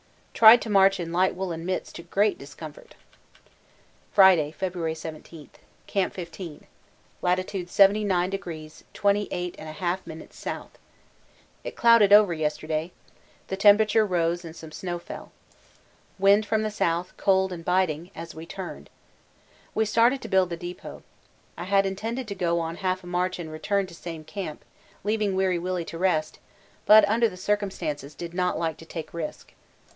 Tried to march in light woollen mits to great discomfort. Friday, February 17. Camp 15. Lat. 79° 28 1/2' S. It clouded over yesterday the temperature rose and some snow fell. Wind from the south, cold and biting, as we turned out. We started to build the depot. I had intended to go on half a march and return to same camp, leaving Weary Willy to rest, but under the circumstances did not like to take risk.